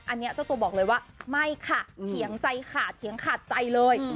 อันนี้เจ้าตัวบอกเลยว่าไม่ค่ะเถียงใจขาดเถียงขาดใจเลย